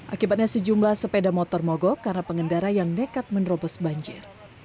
akibatnya sejumlah sepeda motor mogok karena pengendara yang nekat menerobos banjir